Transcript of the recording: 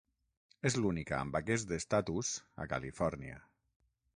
És l'única amb aquest estatus a Califòrnia.